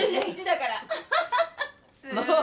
すごい。